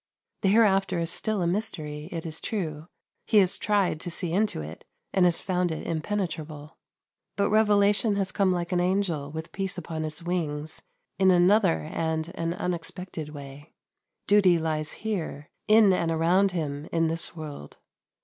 The hereafter is still a mystery, it is true; he has tried to see into it, and has found it impenetrable. But revelation has come like an angel, with peace upon its wings, in another and an unexpected way. Duty lies here, in and around him in this world.